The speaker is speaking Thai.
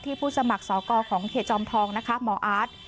ที่ผู้สมัครสอกอของเขตจอมทองมอาร์ท